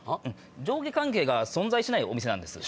上下関係が存在しないお店なんです。